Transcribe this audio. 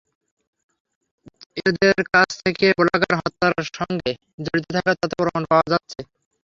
এঁদের কাছ থেকে ব্লগার হত্যার সঙ্গে জড়িত থাকার তথ্য-প্রমাণ পাওয়া যাচ্ছে।